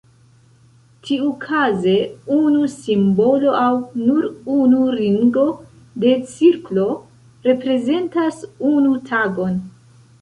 Tiukaze unu simbolo aŭ nur unu ringo de cirklo reprezentas unu tagon.